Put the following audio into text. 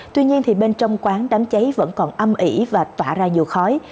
tuy nhiên bên trong quán đám cháy vẫn còn âm ỉ và tỏa ra nhiều khói